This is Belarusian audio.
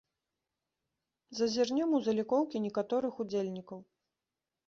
Зазірнем у залікоўкі некаторых удзельнікаў.